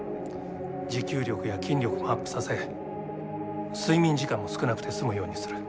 持久力や筋力もアップさせ睡眠時間も少なくて済むようにする。